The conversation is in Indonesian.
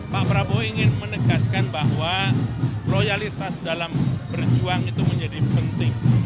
pak prabowo ingin menegaskan bahwa loyalitas dalam berjuang itu menjadi penting